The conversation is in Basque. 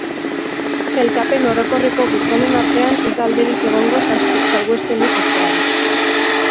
Sailkapen orokorreko gizonen artean ez da alderik egongo salbuespenik ezean.